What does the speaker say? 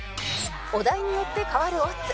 お題によって変わるオッズ